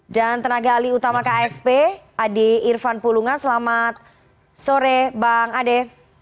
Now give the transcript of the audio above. dan tenaga alih utama ksp adi irfan pulunga selamat sore bang ade